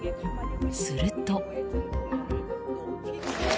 すると。